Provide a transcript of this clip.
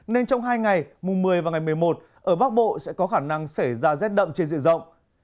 nên trong hai ngày mùng một mươi và ngày một mươi một ở bắc bộ sẽ có khả năng xảy ra rét đậm trên diện rộng